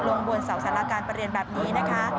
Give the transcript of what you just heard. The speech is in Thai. ลงบนเสาสาราการประเรียนแบบนี้นะคะ